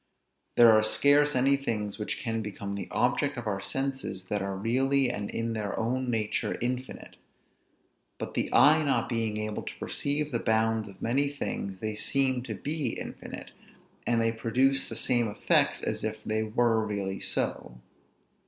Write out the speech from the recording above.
There are scarce any things which can become the objects of our senses, that are really and in their own nature infinite. But the eye not being able to perceive the bounds of many things, they seem to be infinite, and they produce the same effects as if they were really so.